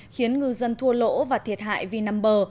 khiến ngư dân thua lỗ và thiệt hại vì nằm bờ